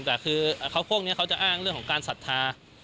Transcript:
แต่คือพวกนี้เขาจะอ้างเรื่องของการศรัทธา